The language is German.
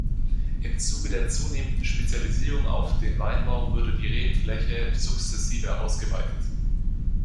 Im Zuge der zunehmenden Spezialisierung auf den Weinbau wurde die Rebfläche sukzessive ausgeweitet.